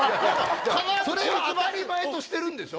それを当たり前としてるんでしょ？